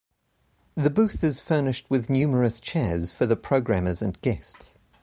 The booth is furnished with numerous chairs for the programmers and guests.